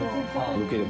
よければ。